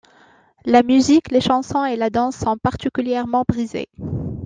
La musique, les chansons et la danse sont particulièrement prisées.